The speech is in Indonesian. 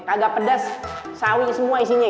agak pedas sawi semua isinya